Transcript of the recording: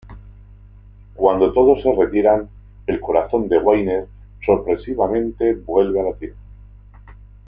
Cuando todos se retiran, el corazón de Wayne sorpresivamente vuelve a latir.